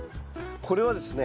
これはですね